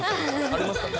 ありますかね？